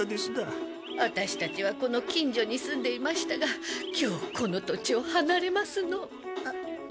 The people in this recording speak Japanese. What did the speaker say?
アタシたちはこの近所に住んでいましたが今日この土地を離れますの。